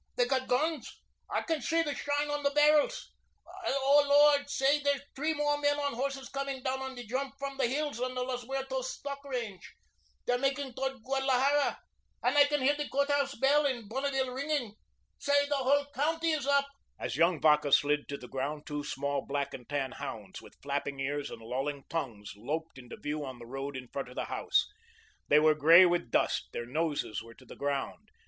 They got guns. I can see the shine of the barrels. And, oh, Lord, say, there's three more men on horses coming down on the jump from the hills on the Los Muertos stock range. They're making towards Guadalajara. And I can hear the courthouse bell in Bonneville ringing. Say, the whole county is up." As young Vacca slid down to the ground, two small black and tan hounds, with flapping ears and lolling tongues, loped into view on the road in front of the house. They were grey with dust, their noses were to the ground.